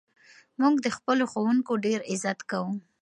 موږ د خپلو ښوونکو ډېر عزت کوو.